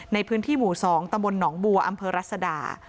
ในพื้นที่หมู่๒ตำบลหนองบัวอำเภอรัศดา